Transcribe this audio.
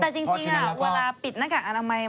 แต่จริงเวลาปิดหน้ากากอนามัย